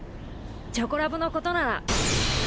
チョコラブのことなら。